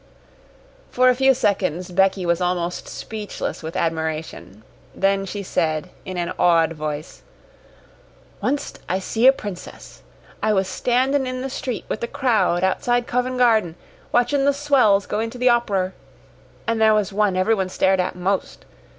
For a few seconds Becky was almost speechless with admiration. Then she said in an awed voice, "Onct I see a princess. I was standin' in the street with the crowd outside Covin' Garden, watchin' the swells go inter the operer. An' there was one everyone stared at most.